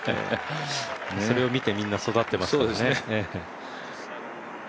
それを見てみんな育ってますからね。